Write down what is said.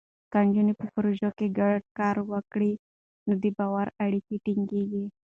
که نجونې په پروژو کې ګډ کار وکړي، نو د باور اړیکې ټینګېږي.